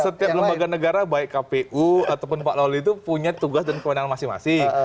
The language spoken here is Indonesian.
setiap lembaga negara baik kpu ataupun pak lawli itu punya tugas dan kewenangan masing masing